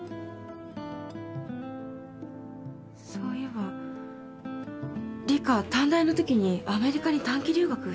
そういえばリカ短大のときにアメリカに短期留学してたよね？